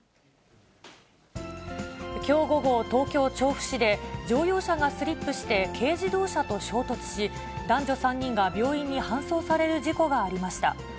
きょう午後、東京・調布市で乗用車がスリップして、軽自動車と衝突し、男女３人が病院に搬送される事故がありました。